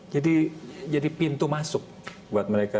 jadi pintu masuk buat mereka